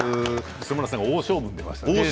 磯村さんが大勝負に出ましたね。